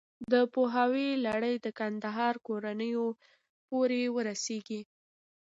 د پوهاوي لړۍ د کندهار کورنیو پورې ورسېږي.